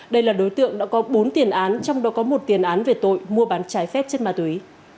đây là đối tượng đã có bốn tiền án trong đó có một tiền án về tội mua bán trái phép chất ma túy